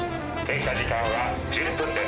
停車時間は１０分です。